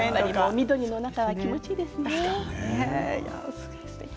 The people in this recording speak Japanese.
緑の中は気持ちいいですからね。